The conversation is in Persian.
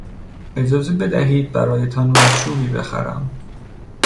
اجازه بدهید برایتان مشروبی بخرم.